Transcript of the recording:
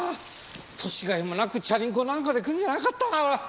年甲斐もなくチャリンコなんかで来るんじゃなかった！